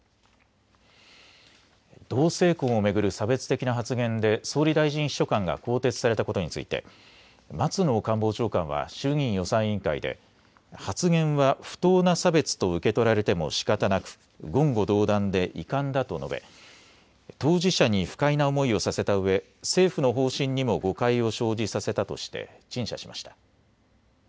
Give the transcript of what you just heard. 同性婚を巡る差別的な発言で総理大臣秘書官が更迭されたことについて、松野官房長官は衆議院予算委員会で発言は不当な差別と受け取られてもしかたなく言語道断で遺憾だと述べ、当事者に不快な思いをさせたうえ政府の方針にも誤解を生じさせたとして陳謝しました。